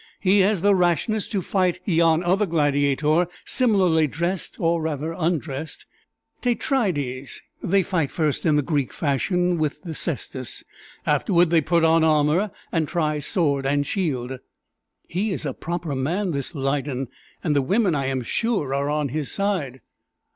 he has the rashness to fight yon other gladiator similarly dressed, or rather undressed Tetraides. They fight first in the Greek fashion, with the cestus; afterward they put on armor, and try sword and shield." "He is a proper man, this Lydon; and the women, I am sure, are on his side."